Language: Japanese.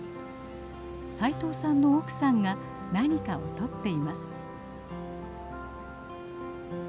斉藤さんの奥さんが何かをとっています。